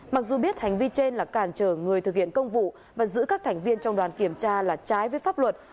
mặc dù biết hành vi trên là cản trở người thực hiện công vụ và giữ các thành viên trong đoàn kiểm tra là trái với pháp luật